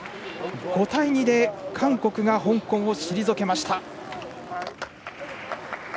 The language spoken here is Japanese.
５対２で韓国が香港を退けました。